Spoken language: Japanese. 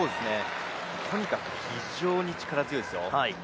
とにかく非常に力強いですよ。